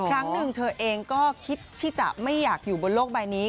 ครั้งหนึ่งเธอเองก็คิดที่จะไม่อยากอยู่บนโลกใบนี้